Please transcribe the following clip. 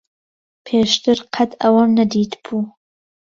پێشتر قەت ئەوەم نەدیتبوو.